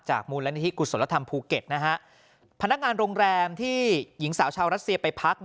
มูลนิธิกุศลธรรมภูเก็ตพนักงานโรงแรมที่หญิงสาวชาวรัสเซียไปพัก